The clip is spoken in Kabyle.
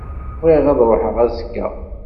Bɣiɣ ad ṛuḥeɣ azekka.